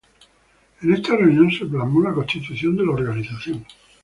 En esta reunión se plasmó la constitución de la organización.